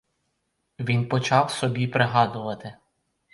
Він почав собі пригадувати.